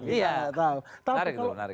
kita gak tahu